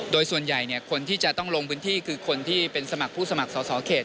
โดยส่วนใหญ่คนที่จะต้องลงพื้นที่คือคนที่เป็นสมัครผู้สมัครสอสอเขต